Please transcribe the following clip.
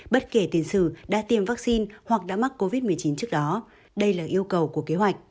bất kể tiền sử đã tiêm vaccine hoặc đã mắc covid một mươi chín trước đó đây là yêu cầu của kế hoạch